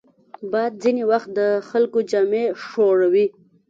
باد ځینې وخت د خلکو جامې ښوروي